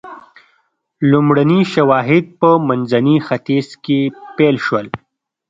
لومړني شواهد په منځني ختیځ کې پیل شول.